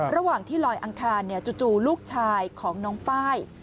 ระหว่างที่ลอยอังคารจู่ลูกชายของน้องไฟล์